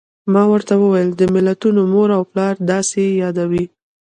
ما ورته وویل: د ملتونو مور او پلار، داسې یې یادوي.